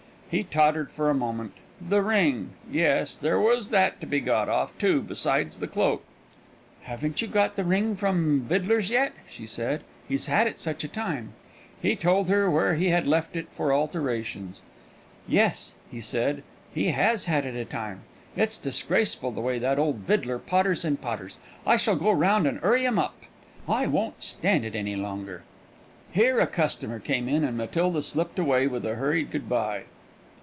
He tottered for a moment. The ring! Yes, there was that to be got off, too, besides the cloak. "Haven't you got the ring from Vidler's yet?" she said. "He's had it such a time." He had told her where he had left it for alterations. "Yes," he said, "he has had it a time. It's disgraceful the way that old Vidler potters and potters. I shall go round and 'urry him up. I won't stand it any longer." Here a customer came in, and Matilda slipped away with a hurried good bye.